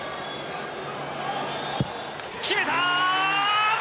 決めた―！